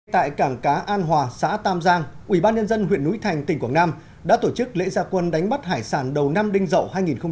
tại cảng cá an hòa xã tam giang ubnd huyện núi thành tỉnh quảng nam đã tổ chức lễ gia quân đánh bắt hải sản đầu năm đinh dậu hai nghìn hai mươi